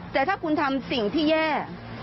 แต่ถ้าคุณทำสิ่งที่แย่